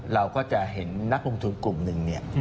เราก็จะเห็นนักลงทุนกลุ่มหนึ่งเนี่ย